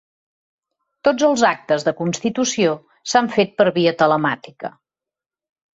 Tots els actes de constitució s’han fet per via telemàtica.